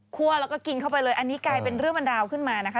แล้วก็กินเข้าไปเลยอันนี้กลายเป็นเรื่องเป็นราวขึ้นมานะคะ